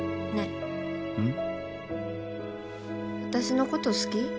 私のこと好き？